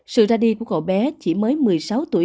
sự ra đi của cậu bé chỉ mới một mươi sáu tuổi